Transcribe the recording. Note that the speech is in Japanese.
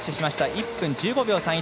１分１５秒３１。